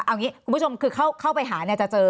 เอาอย่างนี้คุณผู้ชมคือเข้าไปหาจะเจอ